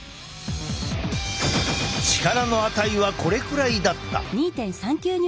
力の値はこれくらいだった。